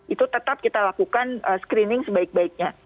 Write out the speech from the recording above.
itu tetap kita lakukan screening sebaik baiknya